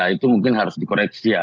itu mungkin harus dikoreksi ya